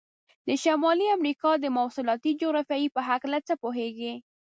د شمالي امریکا د مواصلاتي جغرافیې په هلکه څه پوهیږئ؟